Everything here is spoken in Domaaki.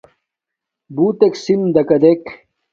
ہݸ اتݵَک سندݳݣݳ دݵک.